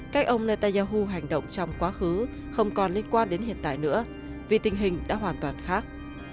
cách ông netanyahu hành động trong quá khứ không còn liên quan đến hiện tại nữa vì tình hình đã hoàn toàn khác